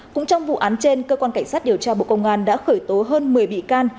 cũng trong vụ án trên cơ quan cảnh sát điều tra bộ công an đã khởi tố hơn một mươi bị can